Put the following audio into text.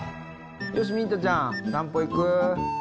よしミントちゃん散歩行く？